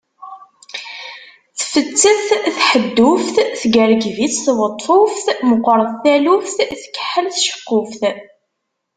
Tfettet tḥedduft, teggergeb-itt tweṭṭuft, meqret taluft, tkeḥḥel tceqquft.